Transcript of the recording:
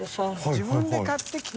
自分で買ってきて？